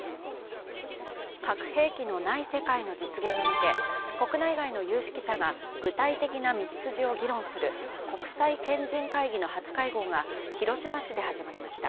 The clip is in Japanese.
核兵器のない世界の実現に向け国内外の有識者が具体的な道筋を議論する国際賢人会議の初会合が広島市で始まりました。